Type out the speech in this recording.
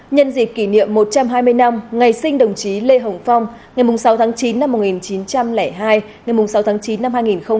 nhân dịp kỷ niệm một trăm hai mươi năm ngày sinh đồng chí lê hồng phong ngày sáu tháng chín năm một nghìn chín trăm linh hai ngày sáu tháng chín năm hai nghìn hai mươi